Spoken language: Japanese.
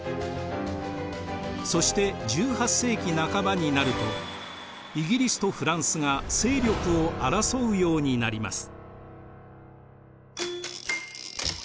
そして１８世紀半ばになるとイギリスとフランスが勢力を争うようになります。